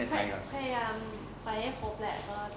พยายามไปให้ครบแหละ